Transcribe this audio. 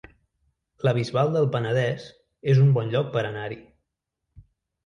La Bisbal del Penedès es un bon lloc per anar-hi